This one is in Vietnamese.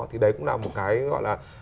thì đấy cũng là một cái gọi là